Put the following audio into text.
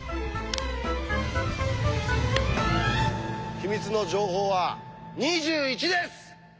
秘密の情報は２１です！